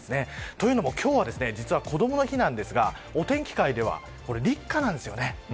というのも、今日はこどもの日なんですかお天気界では立夏なんです。